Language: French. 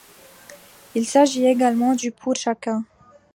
Il s'agit également du pour chacun.